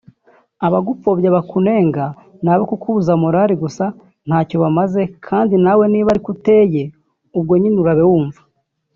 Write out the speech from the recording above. Abagupfobya bakunenga ni abo kukubuza morali gusa ntacyo bamaze (Kandi niba nawe ariko uteye ubwo nyine urabe wumviramo)